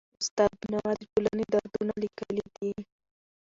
استاد بینوا د ټولني دردونه لیکلي دي.